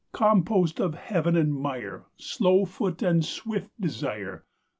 Compost of Heaven and mire, Slow foot and swift desire!